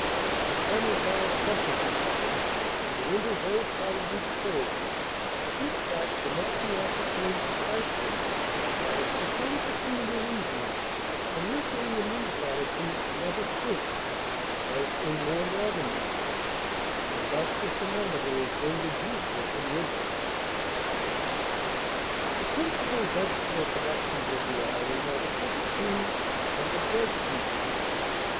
The summers are oppressively hot, and the winters very probably cold; but this fact can not be ascertained precisely, as, for some peculiar reason, the mercury in these latitudes never shrinks, as in more northern regions, and thus the thermometer is rendered useless in winter. "The principal vegetable productions of the island are the pepper tree and the bread fruit tree.